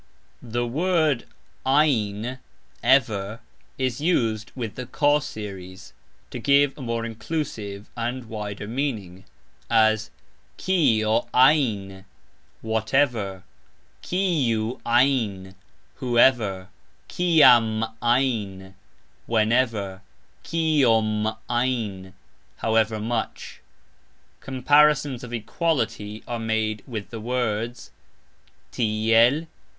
The word "ajn", ever, is used with the "K" series to give a more inclusive and wider meaning, as "Kio ajn", whatever; "Kiu ajn", whoever; "Kiam ajn", whenever; "Kiom ajn", however much. Comparisons of equality are made with the words "tiel